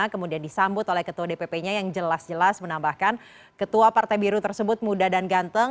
kemudian disambut oleh ketua dpp nya yang jelas jelas menambahkan ketua partai biru tersebut muda dan ganteng